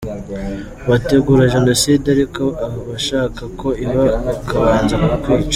Wategura Jenoside ariko abashaka ko iba bakabanza kukwica?